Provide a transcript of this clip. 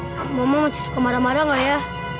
mama masih suka marah marah gak ya